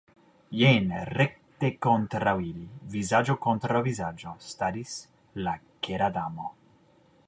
Jen, rekte kontraŭ ili, vizaĝo kontraŭ vizaĝo, staris la Kera Damo.